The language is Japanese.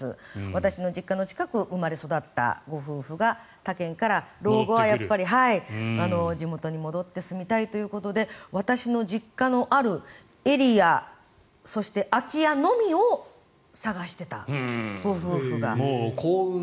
私の実家の近くに生まれ育ったご夫婦が他県から老後は地元に戻って住みたいということで私の実家のあるエリアそして、空き家のみを探していたご夫婦が。